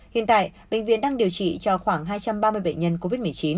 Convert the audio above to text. hiện tại bệnh viện đang điều trị cho khoảng hai trăm ba mươi bệnh nhân covid một mươi chín